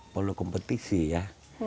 perlu kompetisi ya